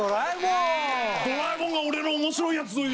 俺の面白いやつ！